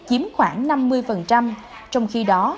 chiếm khoảng năm mươi trong khi đó